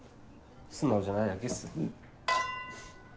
素直じゃないだけっす。